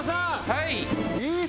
はい。